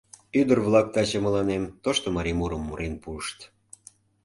— Ӱдыр-влак таче мыланем тошто марий мурым мурен пуышт.